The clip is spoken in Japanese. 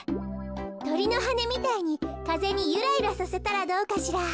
とりのはねみたいにかぜにゆらゆらさせたらどうかしら？